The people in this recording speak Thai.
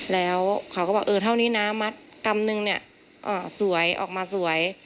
แล้วเขาก็บอกเออเท่านี้นะมัดกำนึงเนี่ยสวยออกมาสวย